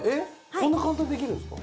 こんな簡単にできるんですか？